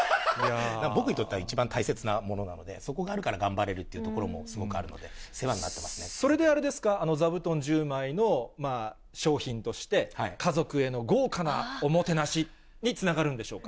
僕にとっては一番大切なものなので、そこがあるから頑張れるというところもすごくあるので、世話になそれであれですか、座布団１０枚の賞品として、家族への豪華なおもてなしにつながるんでしょうか。